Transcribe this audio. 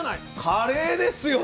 カレーですよ